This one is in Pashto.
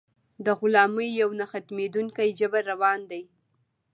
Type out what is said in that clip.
د غلامۍ یو نه ختمېدونکی جبر روان دی.